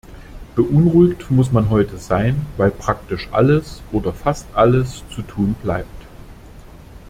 Beunruhigt muss man heute sein, weil praktisch alles oder fast alles zu tun bleibt.